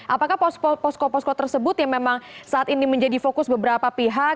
apakah posko posko tersebut yang memang saat ini menjadi fokus beberapa pihak